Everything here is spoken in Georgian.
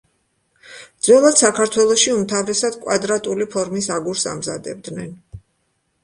ძველად საქართველოში უმთავრესად კვადრატული ფორმის აგურს ამზადებდნენ.